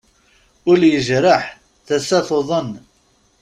Ul yejreḥ, tasa tuḍen.